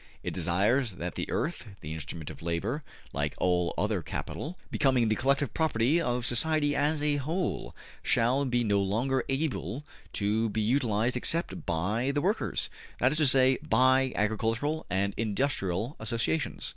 It desires that the earth, the instrument of labor, like all other capital, becoming the collective property of society as a whole, shall be no longer able to be utilized except by the workers, that is to say, by agricultural and industrial associations.